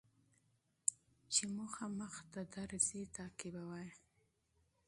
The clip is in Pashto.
چي هدف مخته درځي تعقيبوه يې